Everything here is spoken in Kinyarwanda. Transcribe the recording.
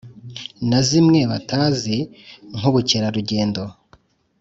Na zimwe batazi nk ubukerarugendo